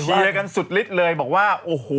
ชิและสูตรฤทธิ์เลยบอกว่า